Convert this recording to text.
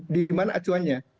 di mana acuannya